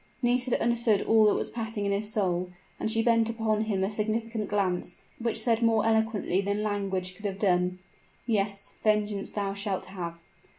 Nisida understood all that was passing in his soul; and she bent upon him a significant glance, which said more eloquently than language could have done "Yes, vengeance thou shalt have!"